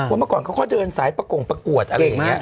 เมื่อก่อนเขาก็เดินสายประกงประกวดอะไรอย่างนี้